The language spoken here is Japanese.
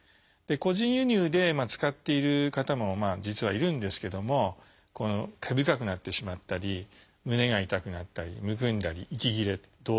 個人輸入で使っている方もまあ実はいるんですけども毛深くなってしまったり胸が痛くなったりむくんだり息切れ動悸